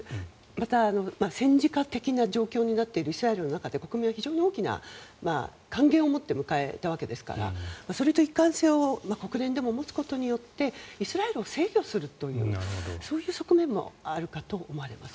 また、戦時下的な状況になっているイスラエルの中で国民は非常に大きな歓迎をもって迎えたわけですからそれと一貫性を国連でも持つことによってイスラエルを制御するというそういう側面もあるかと思われます。